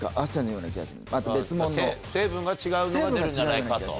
成分が違うのが出るんじゃないかと。